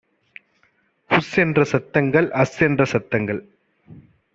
உஸ்என்ற சத்தங்கள், அஸ்என்ற சத்தங்கள்